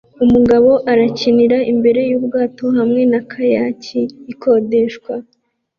Umugabo arikinira imbere yubwato hamwe na kayaki ikodeshwa